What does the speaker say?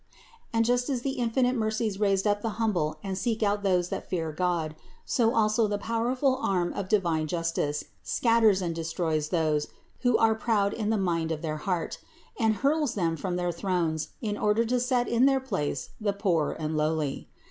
And just as the in finite mercies raise up the humble and seek out those that fear God; so also the powerful arm of divine jus tice scatters and destroys those who are proud in the mind of their heart, and hurls them from their thrones in order to set in their place the poor and lowly.